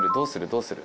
どうする？